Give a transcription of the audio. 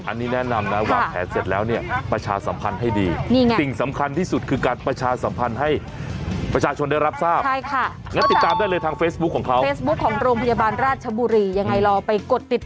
อันนี้แนะนำแล้วนะค่ะวางแผนเสร็จแล้วเนี่ยประชาสำคัญให้ดีนี่ไง